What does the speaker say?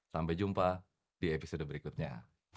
sampai jumpa di episode berikutnya